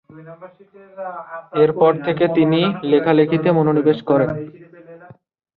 এরপর থেকে তিনি লেখালেখিতে মনোনিবেশ করেন।